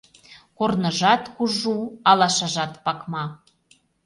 «КОРНЫЖАТ КУЖУ, АЛАШАЖАТ ПАКМА...»